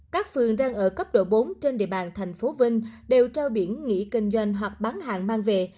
các phường đang ở cấp độ bốn trên địa bàn thành phố vinh đều trao biển nghỉ kinh doanh hoặc bán hàng mang về